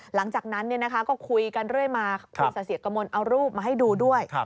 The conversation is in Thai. หลังจากนั้นคุยกันมาคุณสะสิกมลเอารูปมาให้ดูด้วย